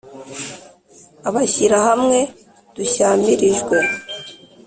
Abashyirahamwe dushyamirijwe